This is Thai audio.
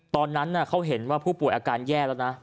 ตอนนั้นเขาเห็นว่าผู้ป่วยอาการแย่แล้วนะ